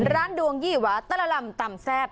ร้านดวงยี่หวาตลลำต่ำแซ่บ